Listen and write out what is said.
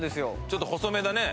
ちょっと細めだね。